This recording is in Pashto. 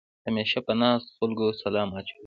همېشه په ناستو خلکو سلام اچوې.